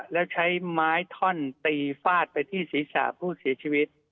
แล้วใช้ไม้ท่อนตีฟาดไปที่ศีรษะผู้เสียชีวิต